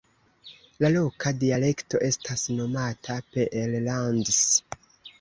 La loka dialekto estas nomata Peellands.